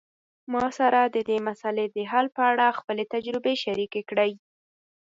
ما سره د دې مسئلې د حل په اړه خپلي تجربي شریکي کړئ